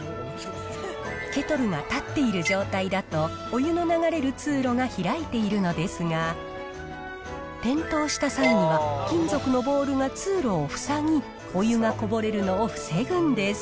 ケトルが立っている状態だと、お湯の流れる通路が開いているのですが、転倒した際には、金属のボールが通路を塞ぎ、お湯がこぼれるのを防ぐんです。